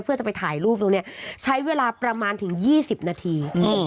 เพื่อจะไปถ่ายรูปตรงนี้ใช้เวลาประมาณถึง๒๐นาที